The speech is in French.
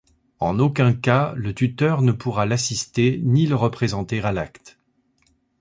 En aucun cas, le tuteur ne pourra l'assister ni le représenter à l'acte.